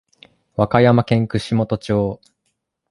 和歌山県串本町